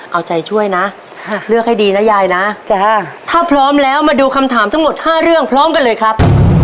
เอาใจช่วยนะเลือกให้ดีนะยายนะถ้าพร้อมแล้วมาดูคำถามทั้งหมด๕เรื่องพร้อมกันเลยครับ